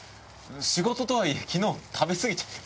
仕事とはいえ昨日食べ過ぎちゃって。